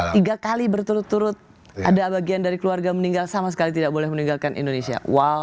tiga kali berturut turut ada bagian dari keluarga meninggal sama sekali tidak boleh meninggalkan indonesia